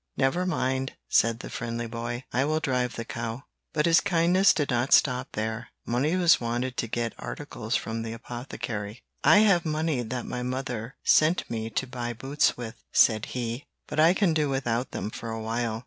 'Never mind,' said the friendly boy, 'I will drive the cow.' "But his kindness did not stop there. Money was wanted to get articles from the apothecary. 'I have money that my mother sent me to buy boots with,' said he, 'but I can do without them for a while.'